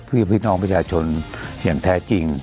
เพื่อพี่น้องประชาชนอย่างแท้จริง